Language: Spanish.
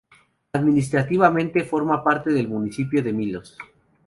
Administrativamente, forma parte del municipio de Milos.